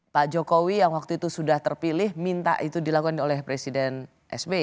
pak jokowi yang waktu itu sudah terpilih minta itu dilakukan oleh presiden sby